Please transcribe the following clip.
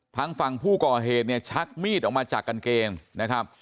ทางฝั่งผู้ก่อเหตุเนี่ยชักมีดออกมาจากกางเกงนะครับ